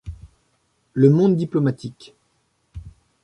Le Monde diplomatique.